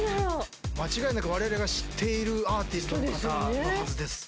間違いなくわれわれが知っているアーティストの方のはずです。